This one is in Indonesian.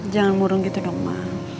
jangan murung gitu dong pak